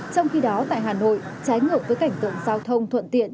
trong khi đó tại hà nội trái ngược với cảnh tượng giao thông thuận tiện